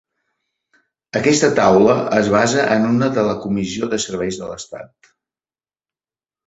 Aquesta taula es basa en una de la Comissió de serveis de l'Estat.